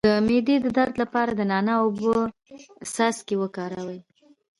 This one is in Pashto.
د معدې د درد لپاره د نعناع او اوبو څاڅکي وکاروئ